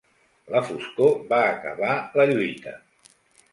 La foscor va acabar la lluita.